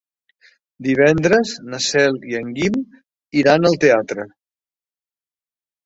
Divendres na Cel i en Guim iran al teatre.